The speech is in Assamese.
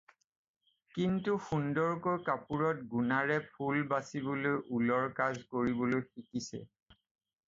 কিন্তু সুন্দৰকৈ কাপোৰত গুণাৰে ফুল বাচিবলৈ উলৰ কাজ কৰিবলৈ শিকিছে